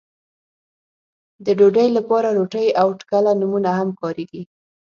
د ډوډۍ لپاره روټۍ او ټکله نومونه هم کاريږي.